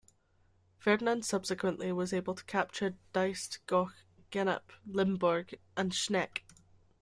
Ferdinand subsequently was able to capture Diest, Goch, Gennep, Limbourg, and Schenk.